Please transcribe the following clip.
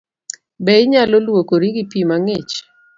Be inyalo luokori gi pii mang'ich?